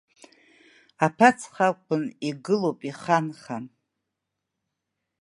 Аԥацха акәын игылоуп иханхан…